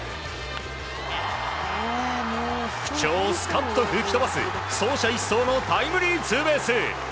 不調をスカッと吹き飛ばす走者一掃のタイムリーツーベース。